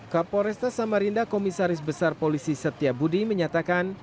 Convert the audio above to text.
kapolresta samarinda komisaris besar polisi setia budi menyatakan